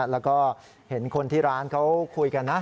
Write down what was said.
แล้วก็เห็นคนที่ร้านเขาคุยกันนะ